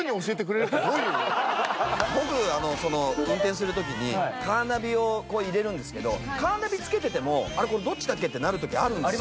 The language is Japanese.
僕運転する時にカーナビを入れるんですけどカーナビつけててもあれこれどっちだっけ？ってなる時あるんですよ。